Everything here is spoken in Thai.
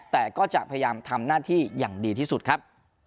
แต่ก็จะพยายามทำหน้าที่อย่างดีที่สุดครับ